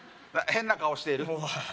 ヘンな顔をしている？